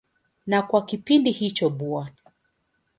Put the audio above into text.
Na kwa kipindi hicho Bw.